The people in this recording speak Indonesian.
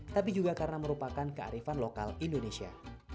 tapi juga karena merupakan kearifan lokal indonesia